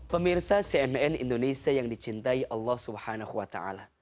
pemirsa cnn indonesia yang dicintai allah swt